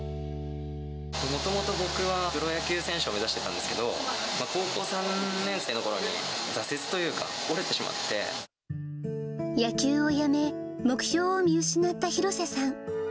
もともと、僕はプロ野球選手を目指してたんですけど、高校３年生のころに挫折というか、野球をやめ、目標を見失った廣瀬さん。